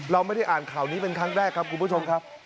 เราไม่ได้อ่านข่าวนี้เป็นครั้งแรกครับคุณผู้ชมครับ